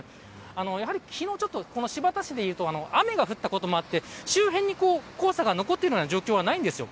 やはり昨日、新発田市でいうと雨が降ったこともあって周辺に黄砂が残っている状況はないんですよ。